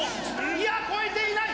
いや越えていない！